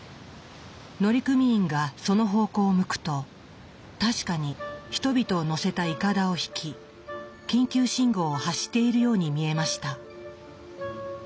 乗組員がその方向を向くと確かに人々を乗せたいかだを引き緊急信号を発しているように見えました。